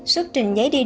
xuất trình giấy đi điện